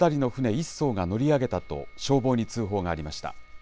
１そうが乗り上げたと、消防に通報がありました。